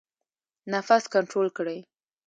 نفس کنټرول کړئ